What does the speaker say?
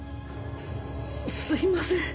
すすいません。